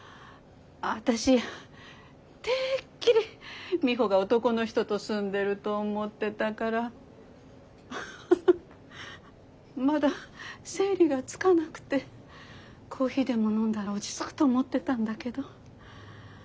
私てっきりミホが男の人と住んでると思ってたからまだ整理がつかなくてコーヒーでも飲んだら落ち着くと思ってたんだけど。